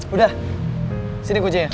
udah sini kucenya